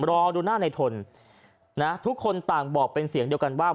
รอดูหน้าในทนนะทุกคนต่างบอกเป็นเสียงเดียวกันว่า